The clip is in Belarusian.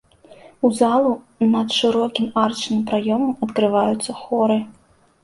У залу над шырокім арачным праёмам адкрываюцца хоры.